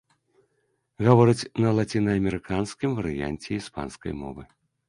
Гавораць на лацінаамерыканскім варыянце іспанскай мовы.